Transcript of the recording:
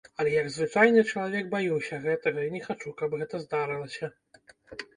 Але як звычайны чалавек баюся гэтага і не хачу, каб гэта здарылася.